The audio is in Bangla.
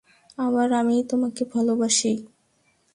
আবার আমিই তোমাকে ভালোবাসি!